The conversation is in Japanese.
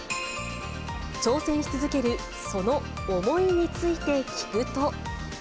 挑戦し続けるその思いについて聞くと。